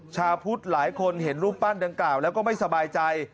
ชาวพุทธหลายคนเห็นรูปปั้นดังกล่าวแล้วก็ไม่สบายใจ